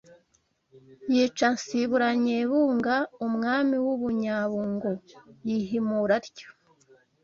yica Nsibura Nyebunga umwami w’u Bunyabungo yihimura atyo